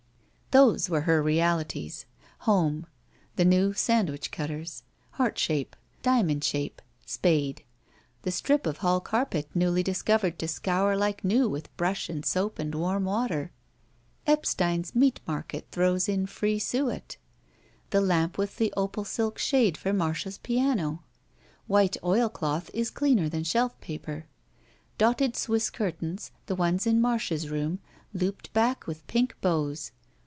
Those were her realities. Home. The new sand wich cutters. Heart shape. Diamond shape. Spade. The strip of hall carpet newly discovered to scour like new with brush and soap and warm water. Epstein's meat market throws in free suet. The lamp with the opal silk shade for Marda's piano. White oilcloth is clean&r than shelf paper. Dotted Swiss curtains, the ones in Marda's room looped back with pink bows.